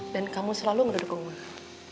dan kamu selalu mendukung gue